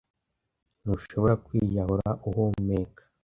Ntushobora kwiyahura uhumeka.